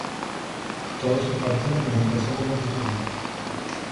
Todos sus partidos los empezó como titular.